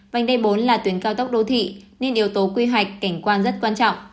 vành đê bốn là tuyến cao tốc đô thị nên yếu tố quy hoạch cảnh quan rất quan trọng